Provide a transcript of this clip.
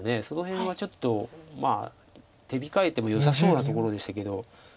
その辺はちょっとまあ手控えてもよさそうなところでしたけど。